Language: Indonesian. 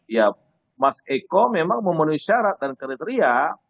ya mas eko memang memenuhi syarat dan kriteria